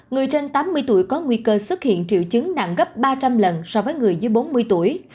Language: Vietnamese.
người trên tám mươi tuổi có nguy cơ xuất hiện triệu chứng nặng gấp ba trăm linh lần so với người dưới bốn mươi tuổi